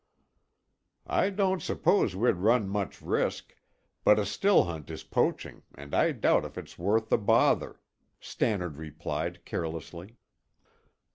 "I don't suppose we'd run much risk, but a still hunt is poaching and I doubt if it's worth the bother," Stannard replied carelessly.